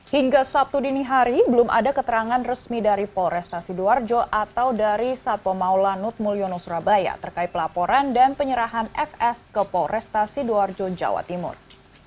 hingga sabtu dini hari belum ada keterangan resmi dari polrestasi duarjo atau dari satpomau lanut mulyono surabaya terkait pelaporan dan penyerahan fs ke polrestasi duarjo jawa timur